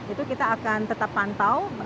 itu kita akan tetap pantau